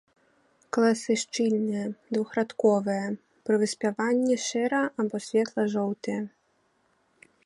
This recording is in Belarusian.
Каласы шчыльныя, двухрадковыя, пры выспяванні шэра- або светла-жоўтыя.